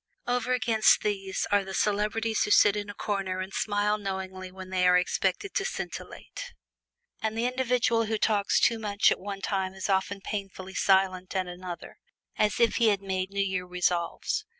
Over against these are the celebrities who sit in a corner and smile knowingly when they are expected to scintillate. And the individual who talks too much at one time is often painfully silent at another as if he had made New Year resolves.